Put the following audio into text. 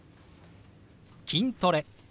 「筋トレ」。